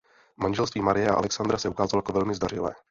Manželství Marie a Alexandra se ukázalo jako velmi zdařilé.